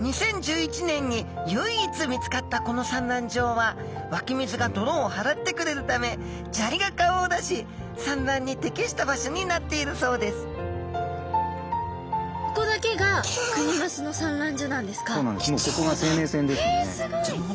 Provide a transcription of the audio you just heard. ２０１１年に唯一見つかったこの産卵場はわき水が泥をはらってくれるため砂利が顔を出し産卵に適した場所になっているそうですえすごい！じゃあ本当に大切にしないと。